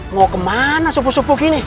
mau kemana supuk supuk ini